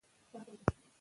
دا وسایل به هر ځای وي.